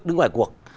đứng ngoài cuộc